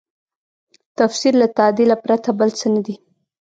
تفسیر له تعدیله پرته بل څه نه دی.